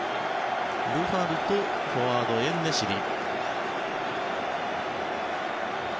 ブファルとフォワード、エンネシリ。